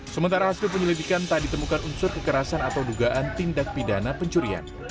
sementara hasil penyelidikan tak ditemukan unsur kekerasan atau dugaan tindak pidana pencurian